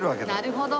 なるほど。